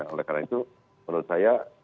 oleh karena itu menurut saya